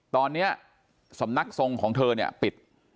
ตอนนี้สำนักทรงของเธอปิด